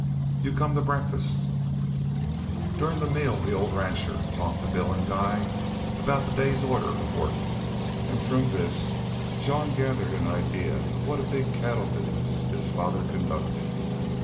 "You come to breakfast." During the meal the old rancher talked to Bill and Guy about the day's order of work; and from this Jean gathered an idea of what a big cattle business his father conducted.